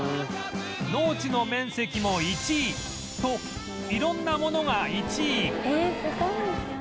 農地の面積も１位と色んなものが１位